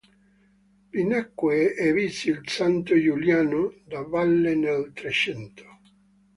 Vi nacque e visse il santo Giuliano da Valle nel Trecento.